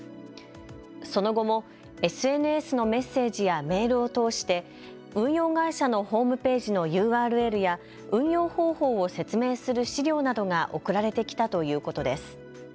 その後もＳＮＳのメッセージやメールを通して、運用会社のホームページのＵＲＬや運用方法を説明する資料などが送られてきたということです。